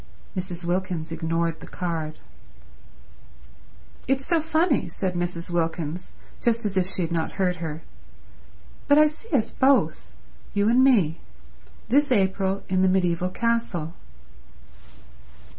Mrs. Wilkins ignored the card. "It's so funny," said Mrs. Wilkins, just as if she had not heard her, "But I see us both—you and me—this April in the mediaeval castle."